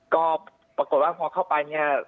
ก็ปรากฏว่าพอเข้าไปเนี่ย